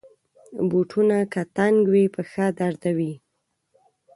بوټونه که تنګ وي، پښه دردوي.